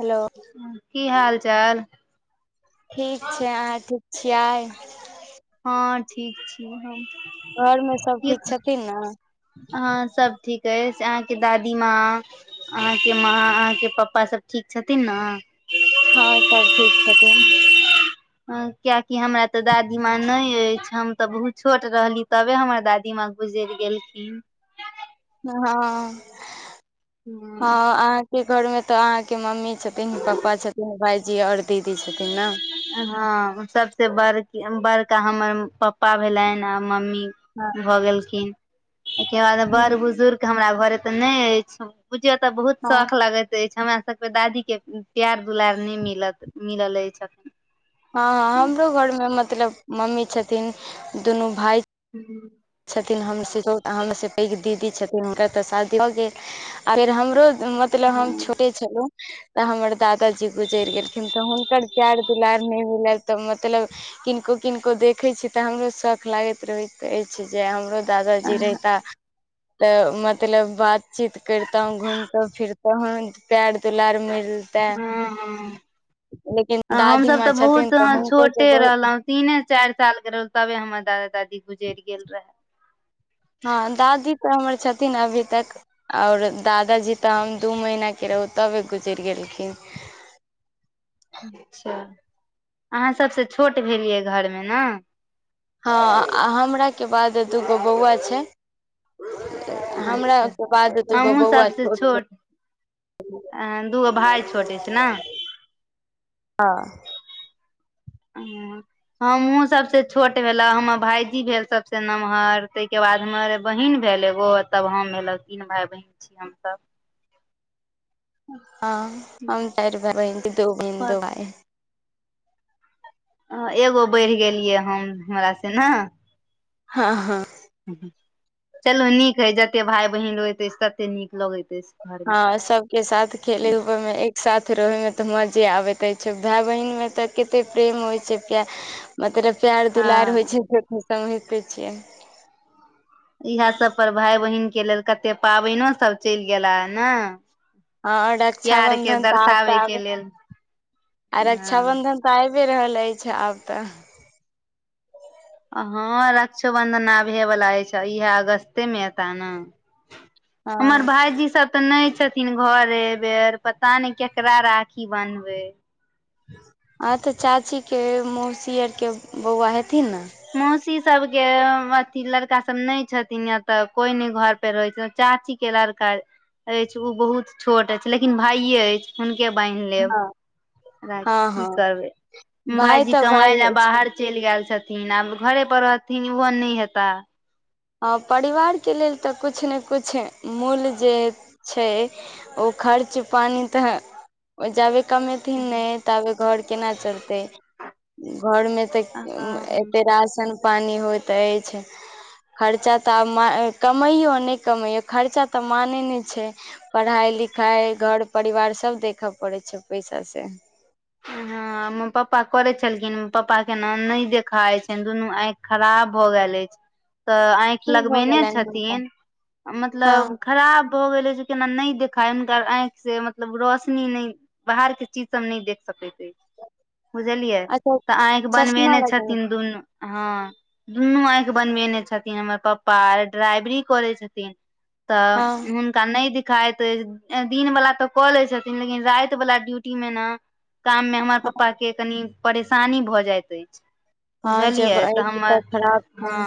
hello की हाल चाल ठीक छै अहाँ ठीक छियै हँ ठीक छी हम घरमे सभ की ठीक छथिन ने हँ सब ठीक अइछ अहाँ के दादी माँ अहाँ के माँ अहाँ के पप्पा सब ठीक छथिन न हाँ सब ठीक छथिन कियाकि हमरा तऽ दादी माँ नहि अइछ हम तऽ बहुत छोट रहली तबे हमर दादी माँ गुजरि गेलखिन हँ हँ अहाँके घर मे तऽ अहाँके मम्मी छथिन पप्पा छथिन भाई हाँ सबसे बड़की ब का हमर पप्पा भेलनि आ मम्मी हँ भऽ गेलखिन ओके बाद बड़ बुजुर्ग हमरा घरे तऽ नहि अछि बुझियौ तऽ बहुत हँ शौख लागैत अछि हमरा सबके दादी के प्यार दुलार नहि मिलत मिलल अछि अखन हाँ हाँ हमरो घर मे मतलब मम्मी छथिन दुनू भाई छथिन हम हम से पैघ दीदी छथिन हुनकर तऽ शादी भऽ गेल आ फेर हमरो मतलब हम छोटे छेलु तऽ हमर दादाजी गुजर गेलखिन तऽ हुनकर प्यार दुलार नहि मिलल तऽ मतलब किनको किनको देखै छी तऽ हमरो शौख लागैत रहैत अछि कि जे हमरो दादाजी अखन रहिता तऽ मतलब बातचीत करतौ घूमतो फिरतो ह पर दुलार मिलतै हँ लेकिन हमसभ दादीमाँ तऽ छथिन बहुत तऽ हुनको जे छोटे बहुत रहलहुँ तीने चारि सालके रहल तबे हमर दादा दादी गुजरि गेल रहे हाँ दादी तऽ हमर छथिन अभी तक और दादाजी ते हम दू महीना के रहू तबे गुजरि गेल केओ [inaudible] अच्छा अहाँ सबसे छोट भेलियै घरमे न हाँ आ हमराके बाद दूगो बौआ छै हमराे अच्छा बाद तऽ दुगो बौआ छोट छै आ दूगो भाई छोट अछि नै हाँ हमहुँ सबसे छोट भेला हमर भाईजी भेल सबसे नम्हर तहिके बाद बादमे बहिन भेल एगो तब हम भेलौं तीन भाई बहिन छी हमसब [inaudible] हाँ हम चार भाई बहिन दो बहिन पर दो भाई आ एगो बढ़ि गेलियै हम हमरि से ना हाँ हाँ चलू नीक हय जते भाय बहिन होइत अइछ तते नीक लगैत घरमे हाँ सबके साथ खेले उठे में एक साथ रहे मे तऽ मजा जे आबैत अछि छै भाय बहिनमे तऽ कतेक प्रेम होइ छै कि मतलब प्यार दुलार होइ हँ छैे छियै इएह सब पर भाई बहिन के लेल कते पाबनो सब चल गेला ना हाँ रक्षाबंधन तऽ आब तऽ के आब लेल आ हँ रक्षाबंधन तऽ आब रहल अइत आब तऽ हाँ रक्षोबंधन आबे वला ह छै इएह अगस्ते मे एता ना हमर हँ भाउजी सब तऽ नहि छथिन घरे बेर पता नहि केकरा राखी बन्हबै आ तऽ चाची के मौसी आर के बौआ हे मौसी सबके अथि लड़का सब नहि छथिन य तऽ कोई ने घर पे रहै छै चाची के लड़का अछि ओ बहुत छोट अछि लेकिन भाइे अइछ हुनके बान्हि लेब हँ र हँ की हँ करबै भाय भाईजी तऽ भाय कमाय ले होइ छै बाहर चल गेल छथिन रहथिन आब घरे पर रहथिन ओहो नहि हेता हँ परिवारके लेल तऽ किछु ने किछु मूल्य जे छै ओ खर्च पानी तऽ जाबे कमेथिन नहि तबे घर केना चलतै घर में तऽ हँ एते राशन पानी होइत अछि खर्चा तऽ आब कमाइयो नहि कमइयो खर्चा तऽ माने ने छै पढ़ाई लिखा खाय घर परिवार सब देखऽ पड़ै छै पैसा से ह हमर पप्पा करे छलखिन पापा केना नहि देखाइ छै दुनू आँखि खराब भ गेल अछि त आँखि की भऽ लगबेने गेलनि हुनका छथिन हँ मतलब खराब भ गेले जे केना न देखाय हुनका आंखि से मतलब रोशनी नइ बाहर के चीज सब नहि देख सकैत अछि बुझलियै अच्छा तऽ आँखि चश्मा बनबेने लगेने छथिन दून हँ दुनू आँखि बनबेने छथिन हमर पप्पा आर ड्राइवरी करै छथिन तऽ हँ हुनका नइ खाइत अछि दिन बला तऽ कऽ लै छथिन लेकिन राति बला ड्यूटी मे ने काम मे हमर पापा के कनि परेशानी भऽ जाइत अछि हँ जब बुझलियै तऽ आँखि हमर पर खराब हँ छनि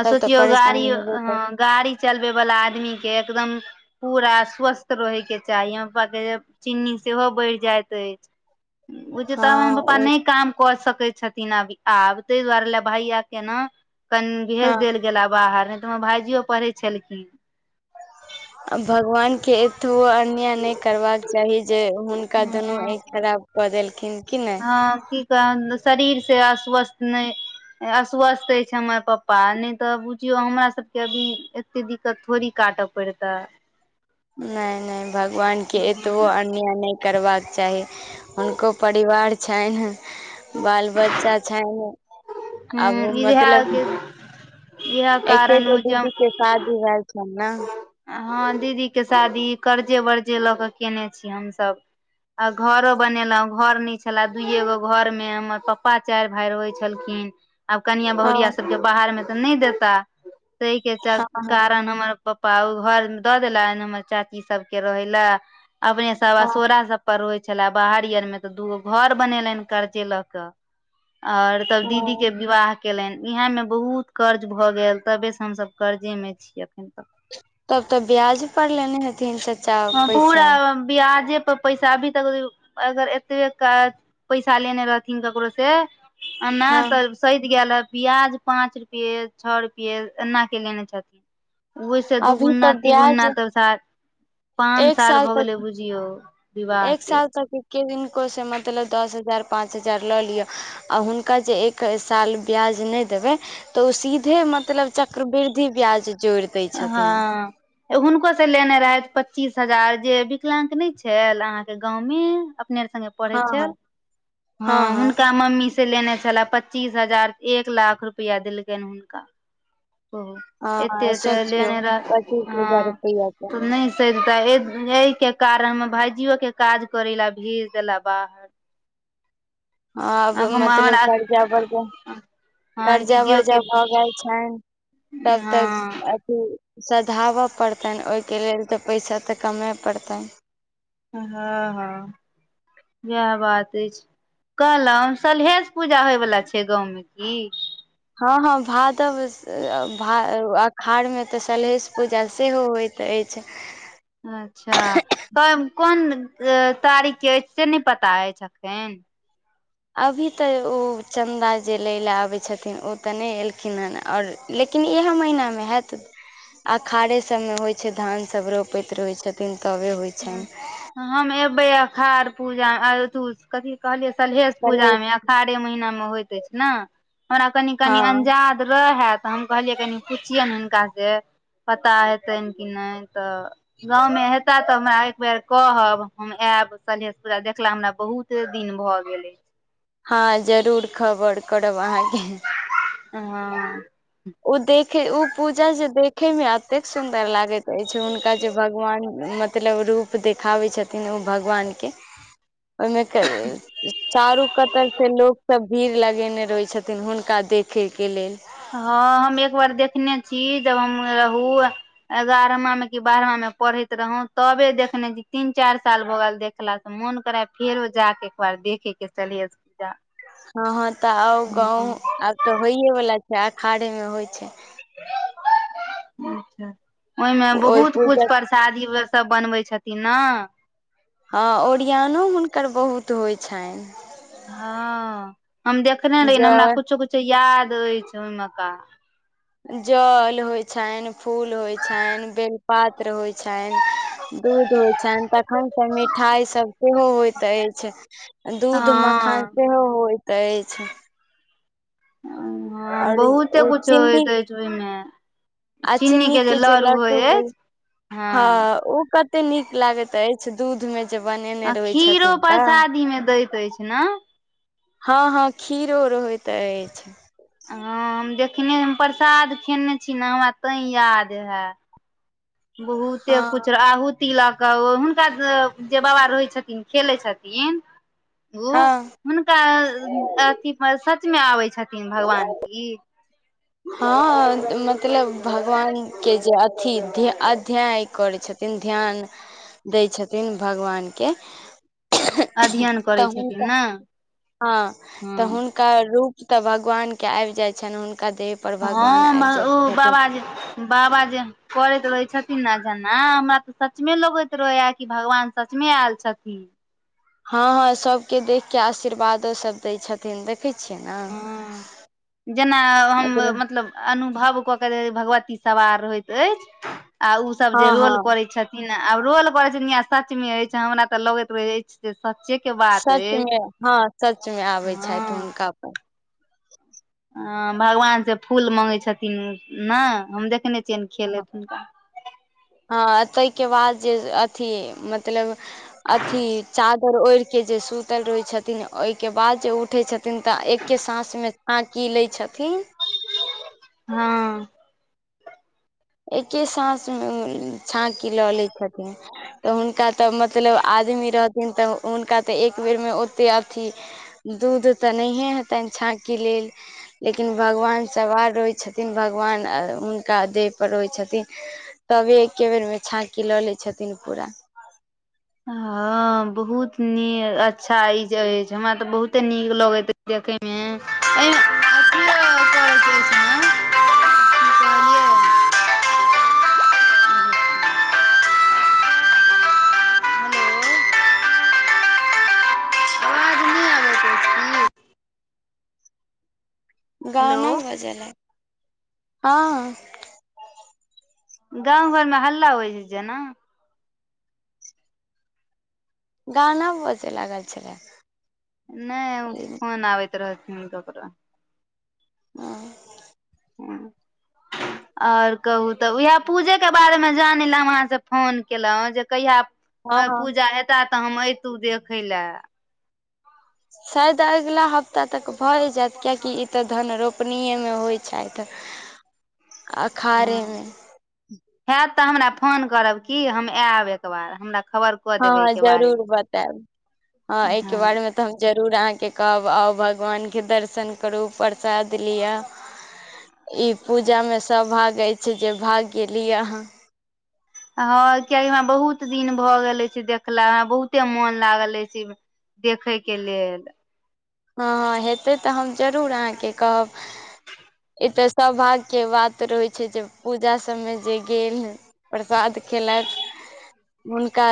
आ तब तऽ सोचियो गाड़ी परेशानी हेबे ह कर गाड़ी चलबे वाला आदमी के एकदम पूरा स्वस्थ रहयके चाही हमर पप्पा के चीन्नी सेहो बढ़ जाइत अछि ओ जेतअ हँ हमर पप्पा ओ नहि काम कर सकत कहै छथिन आब आब ताहि दुआरे ल भैया के ने कनि हँ भेज देल गेल बाहर नहि तऽ हमर भायजियो पढ़ै छलखिन आ भगवान के एतबो अन्याय नहि करबाक चाही जे हुनका दुनू हँ आँखि खराब कऽ देलखिन कि नहि हँ की कह शरीर से अस्वस्थ नहि अस्वस्थ अछिय छै हमर पप्पा नहि तऽ बुझियौ हमरा सबके अभी एते दिक्कत थोड़ी क काटअ परत नहि नहि भगवान के एतबो अन्याय नहि करबाक चाही हुनको परिवार छनि बाल बच्चा छइन हूँ आब इएह मतलब इएह कारण एकेगो हो जे हम दीदी के शादी रहल छै नह हँ दीदी के शादी कर्जे बर्जे लऽ के केने छी हमसभ आ घरो बनेलहुं घरो नै छले दूइए गो घर मे हमर पप्पा चारि भाय रहै छलखिन हुं आब कनियां बहुुरिया हँ सबके बाहरमे तऽ नहि देता ताहि के हँ चलते हँ कारण हमर प प्पा ओ घर दऽ देलइन चाची सबके रहे ला अपने सब हँ असोरा सब पर रहोइ छले बाहरी आरमे तऽ दूगो घर बनेलनि कर्जे लऽ कऽ और तब हँ दीदी के विवाह केलनि इएहमे बहुत कर्ज भऽ गेल तबेसँ हमसभ कर्जेमे छीयै एखन तक तब तऽ ब्याज पर लेने हथिन त हं पूरा ब्याजे पैसा अभी तक अगर एतबे क पैसा लेने रहथिन ककरो से अना हँ तऽ सधि गेल रहैत ब्याज पाँच रुपये छओ रुपये एना के लेने छथिन ओहिसे अभी दुगूना तऽ ब्याज तीगुना पइसा एक साल तक विवाह एक के साल तक एक किनको से मतलब दस हजार पाच हजार ल लिअ आ हुनका जे एक साल ब्याज जे नै देबै तऽ उ सीधे मतलब चक्रबीरधी जोड़ि दै छथिन हँ हुनको से लेने रहथि पच्चीस हजार जे विकलांग नहि छल अहाँके गांवमे अपने आओर संगे पढ़ै हँ छैल हँ हँ हं हँ हुंनका मम्मी स से लेने छले पच्चीस हजार एक लाख रुपआ देलकनि हुनका ओ एते हँ एत सोचियौ लेने रह पच्चीस हँ हजार रुपैआ के तऽ नहि सधितै यै के कारण हमर भाायजियो के काज करै ला भेज देला बाहर हँ आब हम मतलब अहाँ कर्जा बर् हँ कर्जा दीदियो के वर्जा भऽ गेल छनि तब तऽ हँ अथी सधाबय पड़तनि ओहिके लेल तऽ पैसा तऽ कमय पड़तनि हँ हँ इएह बात अछि कहलहुं सलहेस पूजा होयवला छै गाँवमे की हँ ह भादव अखाढ़ में ते सलहेश पूजा सेहो होइत अछि कि छै अच्छा कोन तारीख के अछि से नहि पता अछि अखैन अभी तऽ ओ चन्दा जे लै लेलए आबै छथिन ओ तऽ नहि एलखिन हेन आओर लेकिन लेकिन इह महीना मे हायत अषाढ़े सबमे होइ छै धान सब रोपैत रहै छथिन तब होय छनि अखार पूजा हर दुज कथी कहलियै सलहेश सलहेस पूजामे अखाढ़े महिनामे होइत अछि ने हमरा कनि कनि हँ अंजाद रहै तऽ हम कहलियै कनि पुछियैनि हुनका से पता हेतनि कि नहि तऽ गाँवमे हेता तऽ हमरा एकबेर कहब हम आयब सलहेस पुजा देखला हमरा बहुते दिन भऽ गेलै हँ जरूर खबर करब अहाँके हॅं ओ देखे ओ पूजा जे देखेमे एतेक सुन्दर लागैत अछि हुनका जे भगवान मतलब रूप देखाबै छथिन ओ भगवानके [inaudible] ओहिमे चारू कतर से लोक सब भीड़ लगेने रहै छथिन हुनका देखैके लेल हँ हम एक बार देखने छी जब हम रहूं एगारहवांमे कि बारहवांमे पढ़ैत रहौ तबे देखने तीन चारि साल भऽ गेल देखलासँ मोन करै फेरो जाके [unintelligible] हँ हँ तऽ आउ गाँव हँ आब तऽ होइए वला छै अषाढ़े मे होइ छै ओहिमे ओहि बहुत कुछ पूजक परसादी व सब बनबै छथिन ने हँ ओरियानो हुनकर बहुत होइ छनि हँ हम देखने रहि हमरा जल कुछो कुछो याद दै छनि ओय्ह मका जल होइ छनि फूल होइ छनि बेल पत्र होइ छ छनि दूध होइत छनि तखनसँ मिठाइ सभ सेहो होइत अछि दूध मखान हँ सेहो होइत अछि आओर बहुते ओ कुछ चीन्नी होयइत अछि ओहिमे आ चीन्नी चिन्नी के जे लड़ू लडडू होइ होई अछि हँ ओ कते नीक लागैत अछि छ दूधमे जे बनेने आ रहै खीरो छथिन तऽ परसादी मे दैत अछि ने हँ हँ खीरो रहैत अछि हँ हम देखने हम प्रसाद खेने छी ने हमरा तैं याद हैय बहुते कुछ हँ आहुति लग तऽ हुनका जे बाबा रहै छथिन खेलैत छथिन ओ हँ हुनका अिथ सचमे आबै छथिन भगवान की हँ मतलब भगवान के जा अथी ध्य अध्याय करै छथिन ध्यान दै छथिन भगवानके अध्ययन करै त छथिन हुनका ने हां त हँ हुनका रूप त भगवान के आबि जाय छनि हुन हँ ओ बाबाजी बाबाजे करैत रहै छथि न जेना हमरा त सचमे लगैत रहैया कि भगवान सचमे आयल छथिन हँ हँ सबके देख के आशीर्वादो सब दै छथिन देख हँ जेना हम मतलब अनुभव क क भगवती सवार रहैत अछि आ उ सब जे हँ रोल हँ करै छथि न आब रोल करै छै सच मे रहय छै हमरा त लगैत रहै सच्चे के बात अछि सचमे हँ सचमे आबै छथि हँ हुनका पर हँ भगवान से फूल मंगै छथिन उ न हम देखने छिन हँ खेलैत हुनका हँ तहि के बाद जे अथी मतलब अथी चादर ओड़ि के जे सुतल रहै छथिन ओहिके बाद जे उठै छथि थिन त एके सांस मे आंकी लै छथिन हँ एके सांस मे छाँकी ल लैत छथिन तऽ हुनका तऽ मतलब आद आदमी रहथिन त हुनका त एक बेरमे ओते अथी दूध त नहिहे हेतनि छ छाँकी लेल लेकिन भगवान सवार रहै छथिन भगवान हुनका दे पर रहै छथिन तबे एके बेर मे छाँकी ल लै छथिन पूरा हँ बहुत नी अच्छा ई जे हमरा त बहुते नीक लगैत अछि देखे [unintelligible] कहलियै हेलो आवाज नहि आबैत अछि की हेलो गाना बज ला हँ गाँव घरमे हल्ला होइ छै जेना गाना बजे लागल छलै नहि ओ फोन आबैत रहथिन ककरो हं आर कहू त उएह पूजेके बारेमे जानय लए हम अहाँस फोन केलौं जे कहिया ह हँ पूजा हेता त हम ऐतू देखय लए शायद अगिला हफ्ता तक भए जायत कियकि ई त धनरोपनिएमे होइ छथि [inaudible] हँ अखाड़ेमे हैत तऽ हमरा फोन करब की हम ऐब एकबार हमरा खबर कऽ देबै हँ एहिके जरूर बारेमे बतैब हँ एहिके बारेमे तऽ हम जरू रूर अहाँके कहब आउ भगवानके दर्शन करू प्रसाद लिय ई पूजामे सौभाग अछि जे भाग्य ली अहाँ हँ कियाकि हमरा बहुत दिन भऽ गेल अछि देखला हमरा बहुते मोन लागल अछि इमे देखय के लेल हँ हँ हेतै तऽ हम जरूर अहाँके कहब ई तऽ सौभाग्यके बात रहै छै जे पूजा सबमे जे गेल प्रसाद खेलक हुनका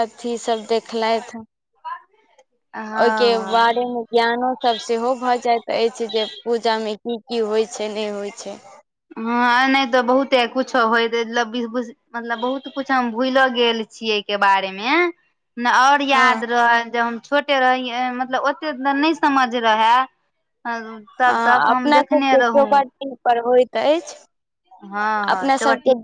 अथी सब देखलथि ओहिके हँ बारेमे ज्ञानोसब सेहो भऽ जाइत अछि जे पूजामे की की होइ छै नहि होइ छै हँ नहि तऽ बहुते कुछो होयत लब बिस बुस मतलब बहुत कुछ हम भूइलो गेल छी अइके बारे मे न आओर हँ याद रहै जब हम छोटे रहिये मतलब ओते तऽ नहि समझ रहै तब तक हँ हम अपना देखने सबके रहौ चौबटिया पर होइत अछि हँ हँ अपना चौबटिया सबके